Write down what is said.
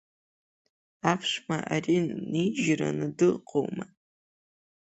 Аԥшәма ари нижьраны дыҟоума!